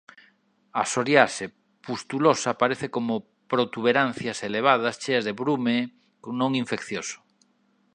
A psoríase pustulosa aparece como protuberancias elevadas cheas de brume non infeccioso.